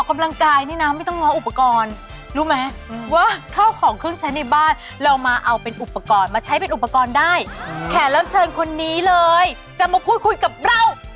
มันเง้ออุปกรณ์รู้มั้ยว่าข้าวของเครื่องใช้ในบ้านเรามาเอาเป็นอุปกรณ์มาใช้เป็นอุปกรณ์ได้แค่รำเชิญคนนี้เลยจะมาคุยกับเรา